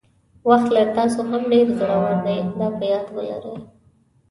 وخت له تاسو هم ډېر زړور دی دا په یاد ولرئ.